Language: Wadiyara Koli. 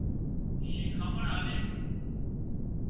شيکامڻ آلي